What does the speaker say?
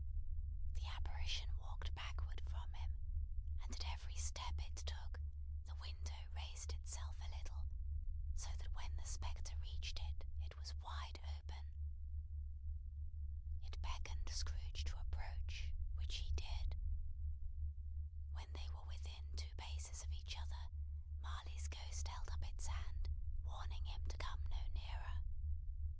The apparition walked backward from him; and at every step it took, the window raised itself a little, so that when the spectre reached it, it was wide open. It beckoned Scrooge to approach, which he did. When they were within two paces of each other, Marley's Ghost held up its hand, warning him to come no nearer.